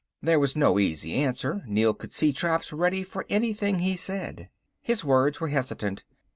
There was no easy answer, Neel could see traps ready for anything he said. His words were hesitant.